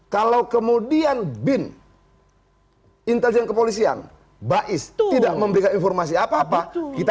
kalau kemudian bin intelijen kepolisian bais tidak memberikan informasi apa apa kita